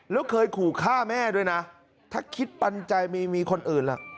แล้วเคยขู่ฆ่าแม่ด้วยนะถ้าคิดปันใจมีมีคนอื่นล่ะ